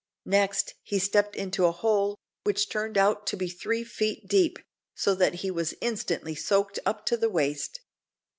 Next, he stepped into a hole, which turned out to be three feet deep, so that he was instantly soaked up to the waist.